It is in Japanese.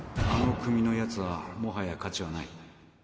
あの組のやつはもはや価値はない